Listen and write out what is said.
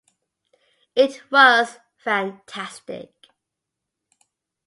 It was fantastic.